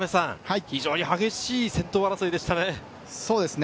激しい先頭争いでしたね。